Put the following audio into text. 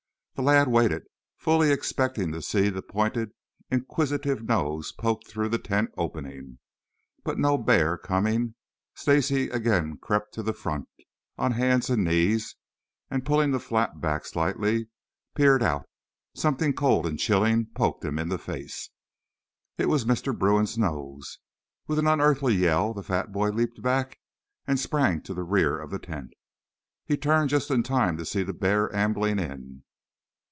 The lad waited, fully expecting to see the pointed, inquisitive nose poked through the tent opening. But, no bear coming, Stacy again crept to the front on hands and knees, and, pulling the flap back slightly, peered out. Something cold and chilling poked him in the face. It was Mr. Bruin's nose. With an unearthly yell, the fat boy leaped back and sprang to the rear of the tent. He turned just in time to see the bear ambling in.